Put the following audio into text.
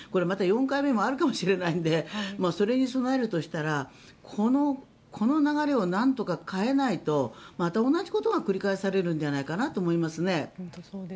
また４回目もあるかもしれないのでそれに備えるとしたらこの流れをなんとか変えないとまた同じことが繰り返されるんじゃないかなと思いますね。